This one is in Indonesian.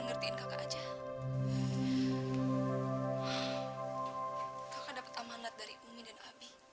sampai jumpa di video selanjutnya